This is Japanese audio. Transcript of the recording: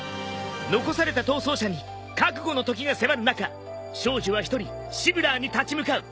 残された逃走者に覚悟のときが迫る中少女は一人シブラーに立ち向かう。